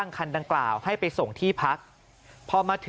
ขอบคุณครับ